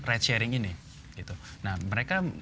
ride sharing ini nah mereka